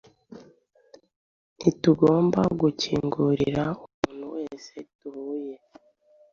Ntitugomba gukingukira umuntu wese duhuye,